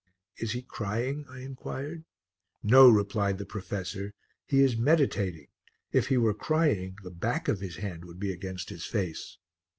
"Is he crying?" I inquired. "No," replied the professor, "he is meditating; if he were crying the back of his hand would be against his face."